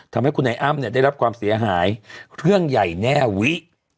ทำให้คุณไอ้อ้ำเนี่ยได้รับความเสียหายเครื่องใหญ่แน่วิ